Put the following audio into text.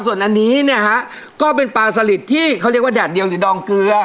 ส่วนอันนี้เนี่ยฮะก็เป็นปลาสลิดที่เขาเรียกว่าแดดเดียวหรือดองเกลือ